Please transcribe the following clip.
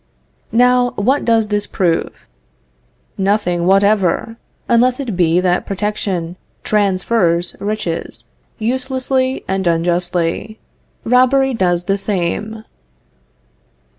Now, what does this prove? Nothing whatever, unless it be that protection transfers riches, uselessly and unjustly. Robbery does the same.